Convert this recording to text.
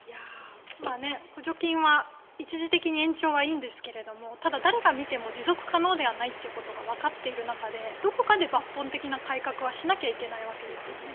今、補助金は一時的に延長はいいんですがただ誰が見ても持続可能ではないということはわかっていてどこかで抜本的な改革はしなきゃいけないわけですよね。